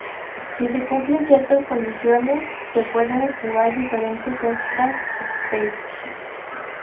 Si se cumplen ciertas condiciones, se pueden jugar diferentes Extra Stages.